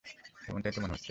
তেমনটাই তো মনে হচ্ছে।